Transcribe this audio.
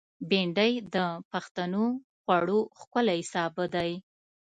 بېنډۍ د پښتنو خوړو ښکلی سابه دی